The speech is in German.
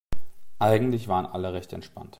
Eigentlich waren alle recht entspannt.